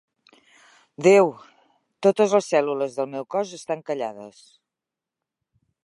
Déu, totes les cèl·lules del meu cos estan callades.